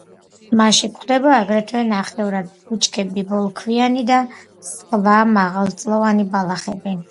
მასში გვხვდება აგრეთვე ნახევრად ბუჩქები, ბოლქვიანი და სხვა მრავალწლოვანი ბალახები.